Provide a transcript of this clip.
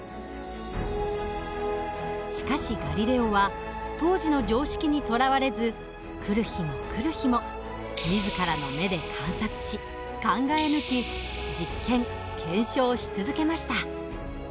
しかしガリレオは当時の常識にとらわれず来る日も来る日も自らの目で観察し考え抜き実験検証し続けました。